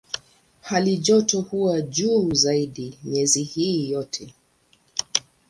Halijoto huwa juu zaidi miezi hii yote.